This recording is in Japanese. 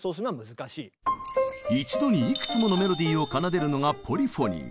一度にいくつものメロディーを奏でるのが「ポリフォニー」。